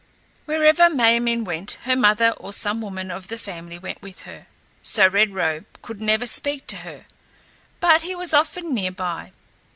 Wherever Ma min´ went her mother or some woman of the family went with her, so Red Robe could never speak to her, but he was often near by.